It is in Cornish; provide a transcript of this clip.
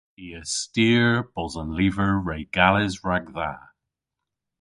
I a styr bos an lyver re gales ragdha.